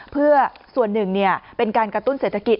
เพื่อส่วนหนึ่งเป็นการกระตุ้นเศรษฐกิจ